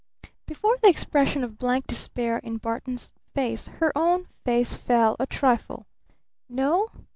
Before the expression of blank despair in Barton's face, her own face fell a trifle. "No?"